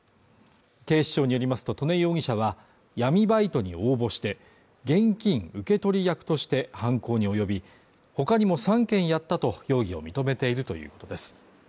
警視庁によりますと刀祢容疑者は闇バイトに応募して、現金受け取り役として、犯行におよび、他にも３件やったと容疑を認めているということです。